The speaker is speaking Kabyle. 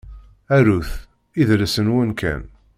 Arut, idles-nwen kan.